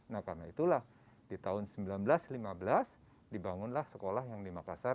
nah karena itulah di tahun seribu sembilan ratus lima belas dibangunlah sekolah yang di makassar